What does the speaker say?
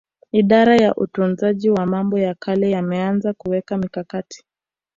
Idara ya Utunzaji wa mambo ya kale wameanza kuweka mikakati